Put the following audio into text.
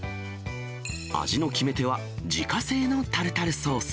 味の決め手は、自家製のタルタルソース。